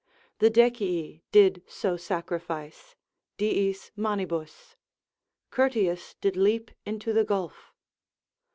The Decii did so sacrifice, Diis manibus; Curtius did leap into the gulf.